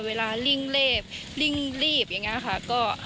เวลาลิ่งเล็บริ่งรีบอย่างนี้ค่ะ